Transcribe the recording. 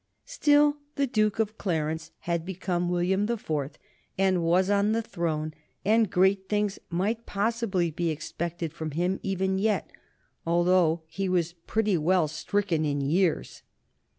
Still, the Duke of Clarence had become William the Fourth, and was on the throne, and great things might possibly be expected from him even yet, although he was pretty well stricken in years.